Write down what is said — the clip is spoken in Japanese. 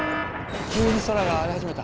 急に空が荒れ始めた。